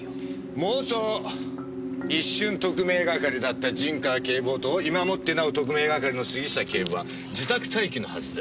元一瞬特命係だった陣川警部補と今もってなお特命係の杉下警部は自宅待機のはずでは？